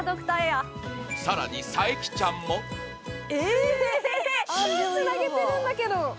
更に冴木ちゃんも手をつなげてるんだけど。